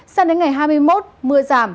sang đến ngày hai mươi một mưa giảm